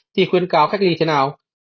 thì khuyến cáo cách ly thế nào